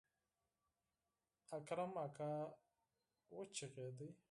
اکرم اکا وچغېده.